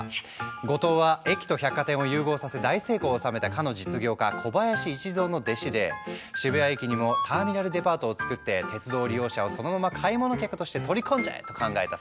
五島は駅と百貨店を融合させ大成功を収めたかの実業家小林一三の弟子で「渋谷駅にもターミナルデパートを作って鉄道利用者をそのまま買い物客として取り込んじゃえ！」と考えたそう。